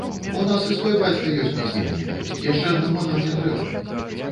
У нас і свой бацька ёсць нязменны, яшчэ аднаго нам не трэба.